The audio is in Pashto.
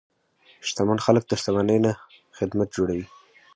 شتمن خلک د شتمنۍ نه خدمت جوړوي.